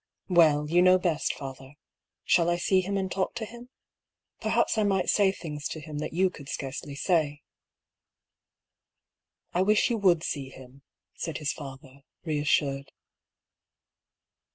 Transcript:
^' Well, you know best, father. Shall I see him and talk to him ? Perhaps I might say things to him that you could scarcely say." " I wish you would see him," said his father, re assured.